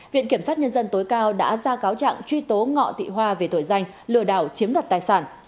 viện kiểm sát nhân dân tối cao đã ra cáo trạng truy tố ngọ thị hoa về tội danh lừa đảo chiếm đoạt tài sản